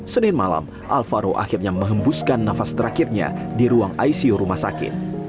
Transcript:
senin malam alvaro akhirnya menghembuskan nafas terakhirnya di ruang icu rumah sakit